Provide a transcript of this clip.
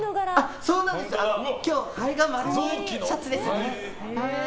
今日、肺が丸見えのシャツです。